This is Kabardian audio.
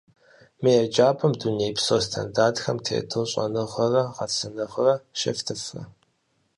Мы еджапӏэм дунейпсо стандартхэм тету щӏэныгъэрэ гъэсэныгъэ щефтыфрэ?